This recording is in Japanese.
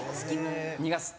逃がす。